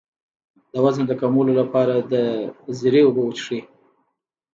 د وزن د کمولو لپاره د زیرې اوبه وڅښئ